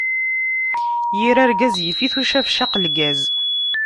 Yir rgaz, yif-it ucabcaq n lgaz.